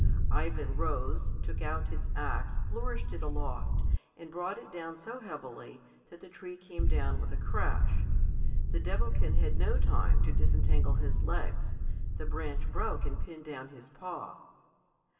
Ivan rose, took out his axe, flourished it aloft, and brought it down so heavily that the tree came down with a crash. The Devilkin had no time to disentangle his legs; the branch broke and pinned down his paw.